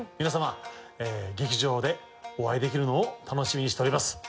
皆様劇場でお会いできるのを楽しみにしております。